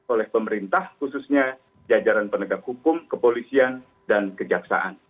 oleh pemerintah khususnya jajaran penegak hukum kepolisian dan kejaksaan